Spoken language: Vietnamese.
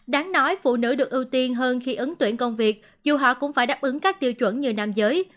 đáng nói phụ nữ được ưu tiên hơn khi ứng tuyển công việc dù họ cũng phải đáp ứng các tiêu chuẩn như nam giới